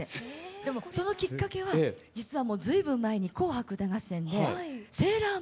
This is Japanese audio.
でもそのきっかけは実はもう随分前に「紅白歌合戦」でセーラームーンを。